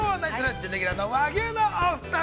準レギュラーの和牛のお二人。